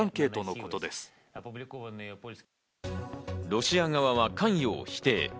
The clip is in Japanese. ロシア側は関与を否定。